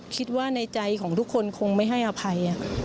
คิดว่าในใจของทุกคนคงไม่ให้อภัย